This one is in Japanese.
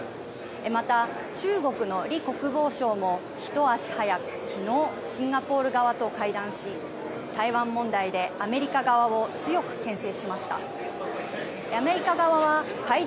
また中国の李国防相も一足早くきのうシンガポール側と会談し台湾問題でアメリカ側を強くけん制しました。